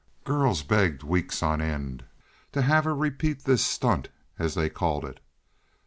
Girls begged weeks on end to have her repeat this "stunt," as they called it.